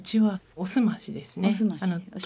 おすまし。